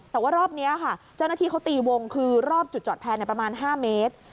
แต่ว่ารอบนี้ค่ะเจ้าหน้าที่เขาตีวงคือรอบจุดจอดแพรประมาณ๕เมตร